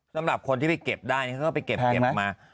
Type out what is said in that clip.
สำหรับคนที่ไปเก็บได้เขาก็ไปเก็บมา